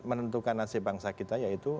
menentukan nasib bangsa kita yaitu